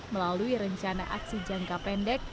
melalui rencana aksi jangka pendek